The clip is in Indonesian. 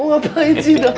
mau ngapain sih dot